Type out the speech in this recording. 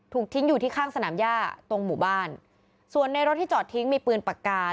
ทิ้งอยู่ที่ข้างสนามย่าตรงหมู่บ้านส่วนในรถที่จอดทิ้งมีปืนปากกา